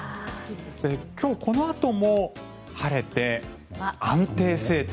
今日、このあとも晴れて安定晴天。